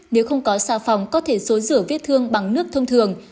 nếu không có xào phòng có thể xối rửa viết thương bằng nước thông thường